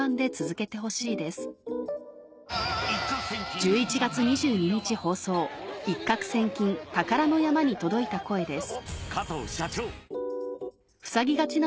１１月２２日放送『一攫千金宝の山』に届いた声です